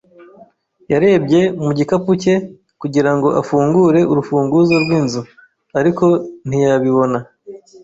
Yarebye mu gikapu cye kugira ngo afungure urufunguzo rw'inzu, ariko ntiyabibona.